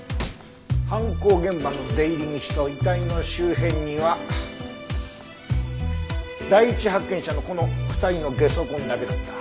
犯行現場の出入り口と遺体の周辺には第一発見者のこの２人のゲソ痕だけだった。